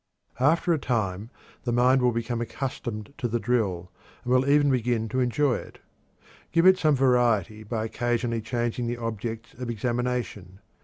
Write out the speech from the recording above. After a time the mind will become accustomed to the drill, and will even begin to enjoy it. Give it some variety by occasionally changing the objects of examination.